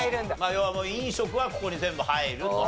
要は飲食はここに全部入ると。